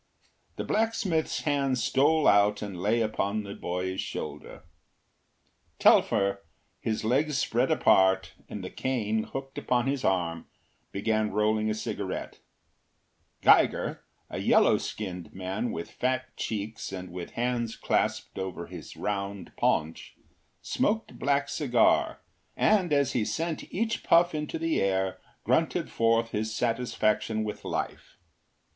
The blacksmith’s hand stole out and lay upon the boy’s shoulder. Telfer, his legs spread apart and the cane hooked upon his arm, began rolling a cigarette; Geiger, a yellow skinned man with fat cheeks and with hands clasped over his round paunch, smoked a black cigar, and as he sent each puff into the air, grunted forth his satisfaction with life.